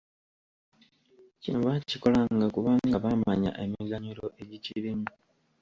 Kino baakikolanga kubanga baamanya emiganyulo egikirimu.